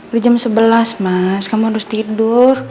udah jam sebelas mas kamu harus tidur